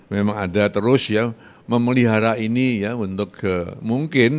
memang ada terus memelihara ini untuk mungkin